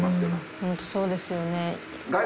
ホントそうですよね。